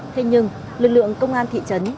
thế nhưng lực lượng công an thị trấn